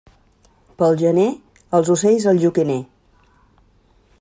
Pel gener, els ocells al joquiner.